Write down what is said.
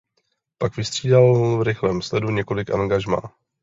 Pak vystřídal v rychlém sledu několik angažmá.